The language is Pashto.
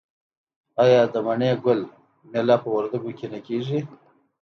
آیا د مڼې ګل میله په وردګو کې نه کیږي؟